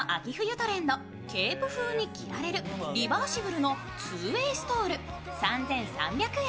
トレンド、ケープ風に着られるリバーシブルの２ＷＡＹストール、３３００円。